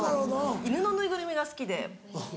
犬のぬいぐるみが好きで。